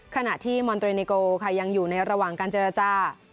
ขณะที่มอนเตรนิโกค่ะยังอยู่ในระหว่างการเจรจา